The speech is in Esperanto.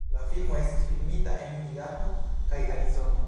La filmo estis filmita en Idaho kaj Arizono.